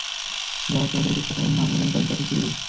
যাঁরা চলাচল করতে পারেন না, আমরা যেন তাঁদের কাছেই ছুটে যাই।